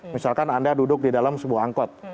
misalkan anda duduk di dalam sebuah angkot